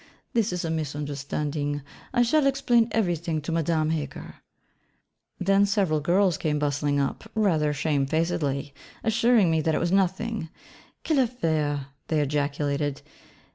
'This is a misunderstanding: I shall explain everything to Madame Heger.' Then several girls came bustling up, rather shamefacedly, assuring me that it was nothing: 'Quelle affaire,' they ejaculated.